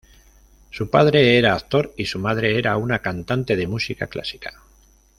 Su padre era actor y su madre era una cantante de música clásica.